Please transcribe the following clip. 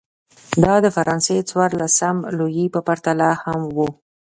دا د فرانسې څوارلسم لويي په پرتله هم و.